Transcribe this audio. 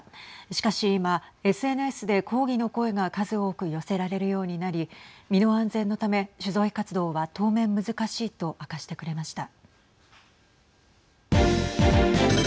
しかし今、ＳＮＳで抗議の声が数多く寄せられるようになり身の安全のため取材活動は当面難しいと明かしてくれました。